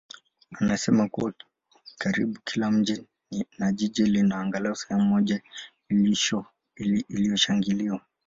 anasema kuwa karibu kila mji na jiji lina angalau sehemu moja iliyoshangiliwa.